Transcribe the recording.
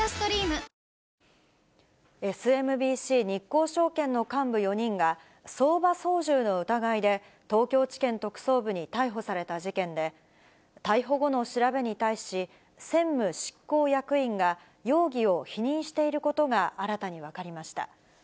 ＳＭＢＣ日興証券の幹部４人が、相場操縦の疑いで、東京地検特捜部に逮捕された事件で、逮捕後の調べに対し、専務執行役員が容疑を否認していることが新たに分かりました。